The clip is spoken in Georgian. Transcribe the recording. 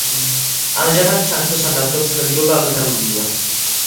ამჟამად ჩანთოსან დათვებზე ნადირობა აკრძალულია.